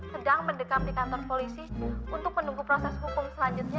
sedang mendekam di kantor polisi untuk menunggu proses hukum selanjutnya